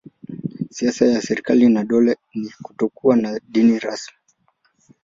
Siasa ya serikali na dola ni kutokuwa na dini rasmi.